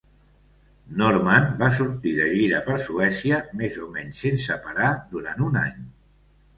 Nordman va sortir de gira per Suècia, més o menys sense parar durant un any.